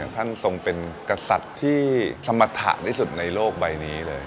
ท่านทรงเป็นกษัตริย์ที่สมรรถะที่สุดในโลกใบนี้เลย